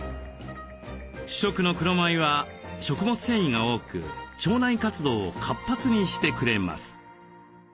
主食の黒米は食物繊維が多く腸内活動を活発にしてくれます。